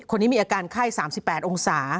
คนนี้มีอาการไข้๓๘องศา